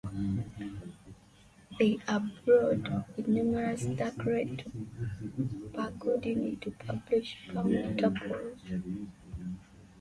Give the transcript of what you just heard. They are broad, with numerous dark red to burgundy to purplish brown tepals.